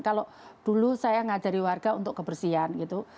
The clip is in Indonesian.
kalau dulu saya mengajari warga untuk kebersihan gitu